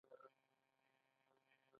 آیا دوی سپوږمکۍ او روباټونه نه جوړوي؟